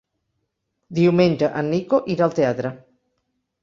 Diumenge en Nico irà al teatre.